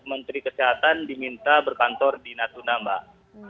menteri kesehatan diminta berkantor di natuna mbak